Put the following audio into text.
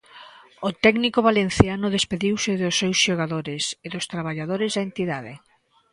O técnico valenciano despediuse dos seus xogadores e dos traballadores da entidade.